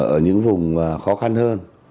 ở những vùng khó khăn hơn